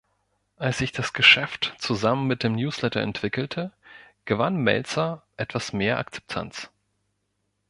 Als sich das Geschäft zusammen mit dem Newsletter entwickelte, gewann Meltzer etwas mehr Akzeptanz.